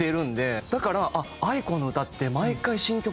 だからａｉｋｏの歌って毎回新曲